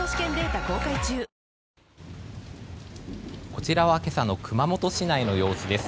こちらは今朝の熊本市内の様子です。